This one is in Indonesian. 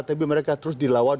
tapi mereka terus dilawan